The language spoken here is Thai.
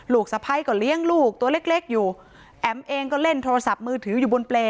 สะพ้ายก็เลี้ยงลูกตัวเล็กเล็กอยู่แอ๋มเองก็เล่นโทรศัพท์มือถืออยู่บนเปรย